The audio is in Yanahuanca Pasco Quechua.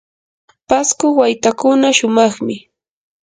pasco waytakuna shumaqmi.